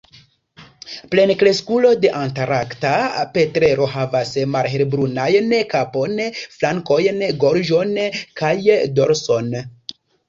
Plenkreskulo de Antarkta petrelo havas malhelbrunajn kapon, flankojn, gorĝon kaj dorson.